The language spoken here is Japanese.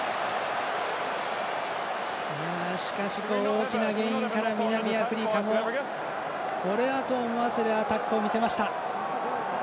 しかし大きなゲインから南アフリカも、これはと思わせるアタックを見せました。